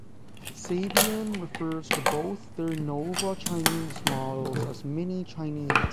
Sabian refers to both their nova Chinese models as mini Chinese.